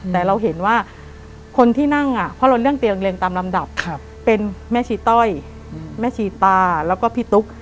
แต่เราเห็นว่าคนที่นั่งเพราะเราเลือกเตียงเรียงตามลำดับเป็นแม่ชีต้อยแม่ชีตาแล้วก็พี่ตุ๊ก